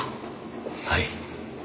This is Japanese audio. はい。